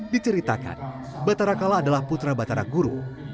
diceritakan batara kala adalah putra batara guru